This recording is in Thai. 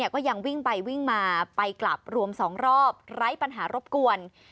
ก็ยังวิ่งไปวิ่งมาไปกลับรวม๒รอบไร้ปัญหารบกวน